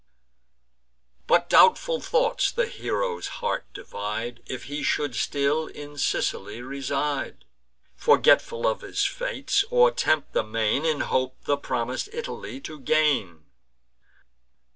But doubtful thoughts the hero's heart divide; If he should still in Sicily reside, Forgetful of his fates, or tempt the main, In hope the promis'd Italy to gain.